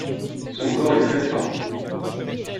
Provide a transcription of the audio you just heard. Son corps est très fin.